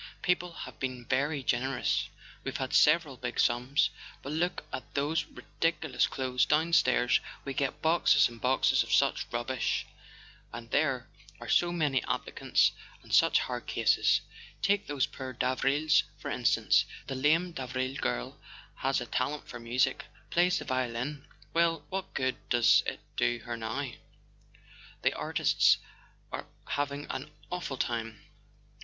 People have been very generous: we've had several big sums. But look at those ridiculous clothes down stairs—we get boxes and boxes of such rubbish ! And there are so many applicants, and such hard cases. Take those poor Davrils, for instance. The lame Davril girl has a talent for music: plays the violin. Well, what good does it do her now? The artists are having an awful time.